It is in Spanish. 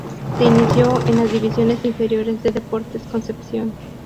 Se inició en las divisiones inferiores de Deportes Concepción.